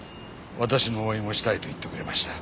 私の応援をしたいと言ってくれました。